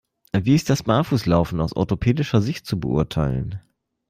Wie ist das Barfußlaufen aus orthopädischer Sicht zu beurteilen?